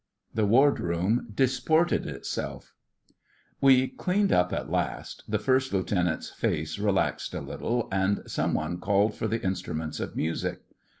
THE WARD ROOM DISPORTED ITSELF We cleaned up at last; the First Lieutenant's face relaxed a little, and some one called for the instruments of music.